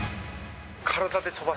体で飛ばす。